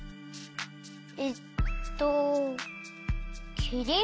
えっときりん？